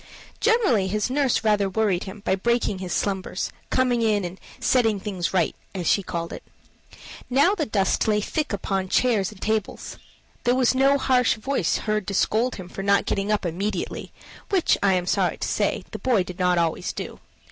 Generally his nurse rather worried him by breaking his slumbers, coming in and "setting things to rights," as she called it. Now the dust lay thick upon chairs and tables; there was no harsh voice heard to scold him for not getting up immediately, which, I am sorry to say, this boy did not always do.